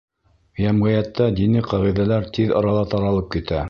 Йәмғиәттә дини ҡағиҙәләр тиҙ арала таралып китә.